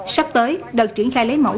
sắp tới đợt triển khai lấy mẫu